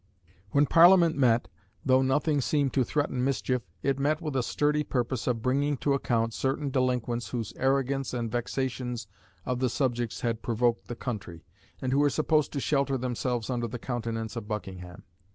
When Parliament met, though nothing seemed to threaten mischief, it met with a sturdy purpose of bringing to account certain delinquents whose arrogance and vexations of the subjects had provoked the country, and who were supposed to shelter themselves under the countenance of Buckingham.